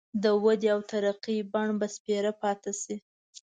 د ودې او ترقۍ بڼ به سپېره پاتي شي.